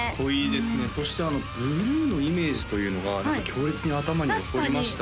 そしてブルーのイメージというのが強烈に頭に残りましたね